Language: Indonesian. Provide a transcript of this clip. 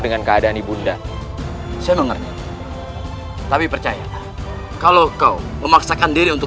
dengan keadaan ibu ndan saya mengerti tapi percayalah kalau kau memaksakan diri untuk